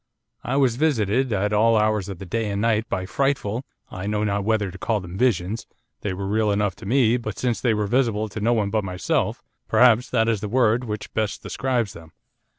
I was visited, at all hours of the day and night, by frightful I know not whether to call them visions, they were real enough to me, but since they were visible to no one but myself, perhaps that is the word which best describes them.